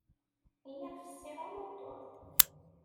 Lliɣ fessiɣ amutur.